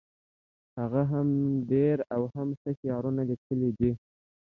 هغه هم ډیر او هم ښه شعرونه لیکلي دي